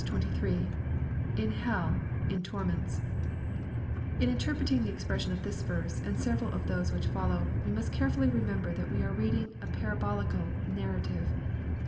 tX — [In helL.in torments.] In interpreting the expressions of this verse, and several of those which follow, we must carefully re member that we are reading a parabolical narrative.